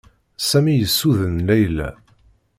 Sami yessuden Layla.